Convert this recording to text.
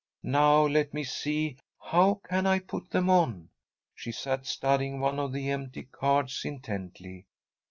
Now, let me see. How can I put them on?" She sat studying one of the empty cards intently.